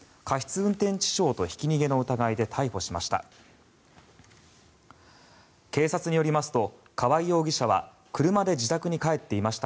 運転致傷とひき逃げの疑いで逮捕しました。